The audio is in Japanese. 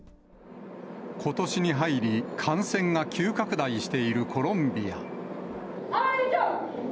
ことしに入り、感染が急拡大しているコロンビア。